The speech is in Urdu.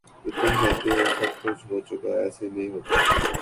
جو تم کہتے ہو سب کچھ ہو چکا ایسے نہیں ہوتا